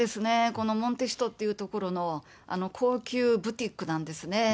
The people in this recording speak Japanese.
このモンテシトっていうところの高級ブティックなんですね。